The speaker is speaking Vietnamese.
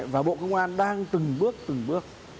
và bộ công an đang từng bước từng bước